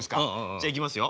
じゃあいきますよ。